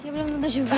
belum tentu juga